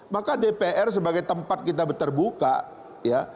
maka dpr sebagai tempat kita terbuka ya